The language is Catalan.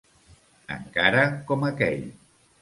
Encara com aquell.